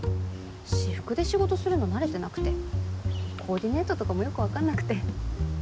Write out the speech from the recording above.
私服で仕事するの慣れてなくてコーディネートとかもよく分かんなくて。